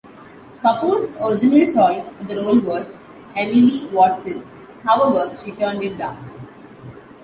Kapur's original choice for the role was Emily Watson, however she turned it down.